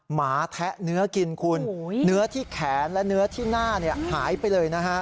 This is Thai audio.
หมาแทะเนื้อกินคุณเนื้อที่แขนและเนื้อที่หน้าหายไปเลยนะฮะ